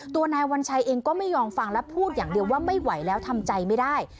ตัวนายวัญชัยเองก็ไม่ยอมฟังและพูดอย่างเดียวว่าไม่ไหวแล้วทำใจไม่ได้